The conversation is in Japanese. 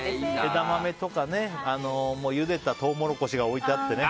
枝豆とかゆでたトウモロコシが置いてあってね。